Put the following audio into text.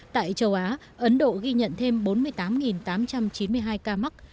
tại châu á ấn độ ghi nhận thêm bốn mươi tám tám trăm chín mươi hai ca mắc